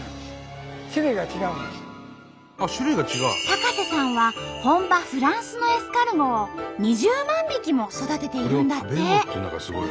高瀬さんは本場フランスのエスカルゴを２０万匹も育てているんだって。